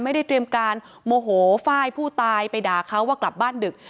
ไม่ได้เตรียมการโมโหไฟล์ผู้ตายไปด่าเขาว่ากลับบ้านดึก